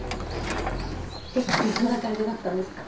陸ってどんな感じだったんですか？